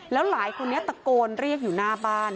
แล้วหลายคนนี้ตะโกนเรียกอยู่หน้าบ้าน